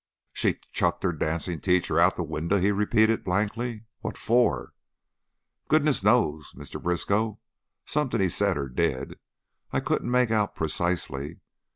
"She chucked the dancin' teacher out of a winder?" he repeated, blankly. "What for?" "Goodness knows, Mr. Briskow! Something he said, or did I couldn't make out precisely.